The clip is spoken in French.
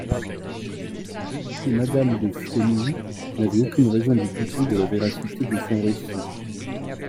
Et madame de Frémilly n'avait aucune raison de douter de la véracité de son récit.